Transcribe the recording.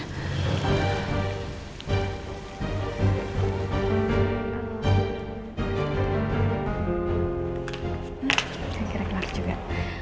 gak kira kira juga